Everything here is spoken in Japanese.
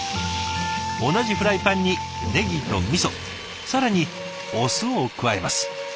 同じフライパンにネギとみそ更にお酢を加えます。